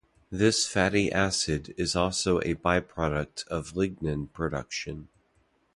This fatty acid is also a byproduct of lignin production.